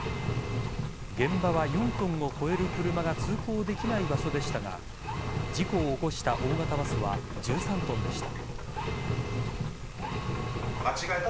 現場は４ｔを超える車が通行できない場所でしたが事故を起こした大型バスは１３ｔでした。